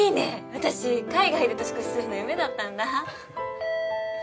私海外で年越しするの夢だったんだ。